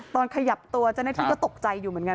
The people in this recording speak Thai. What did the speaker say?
ตอนขยับตัวเจ้าหน้าที่ก็ตกใจอยู่เหมือนกัน